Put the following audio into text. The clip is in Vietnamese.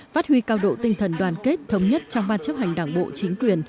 phát huy cao độ tinh thần đoàn kết thống nhất trong ban chấp hành đảng bộ chính quyền